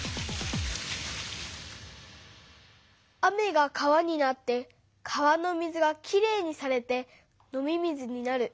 雨が川になって川の水がきれいにされて飲み水になる。